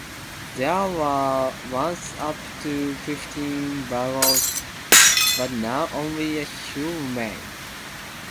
There were once up to fifteen barrows, but now only a few remain.